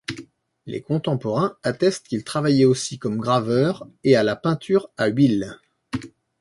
Les contemporains attestent qu'il travaillait aussi comme graveur et à la peinture à huile.